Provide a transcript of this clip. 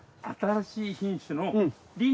新しい品種の。